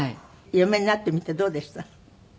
嫁になってみてどうでした？